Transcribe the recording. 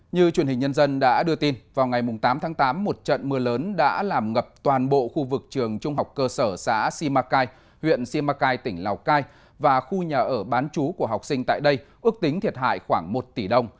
như truyền hình nhân dân đã đưa tin vào ngày tám tháng tám một trận mưa lớn đã làm ngập toàn bộ khu vực trường trung học cơ sở xã simacai huyện simacai tỉnh lào cai và khu nhà ở bán chú của học sinh tại đây ước tính thiệt hại khoảng một tỷ đồng